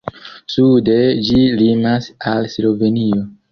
Sude ĝi limas al Slovenio.